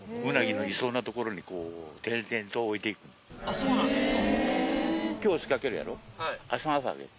そうなんですか。